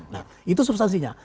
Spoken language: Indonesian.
nah itu substansinya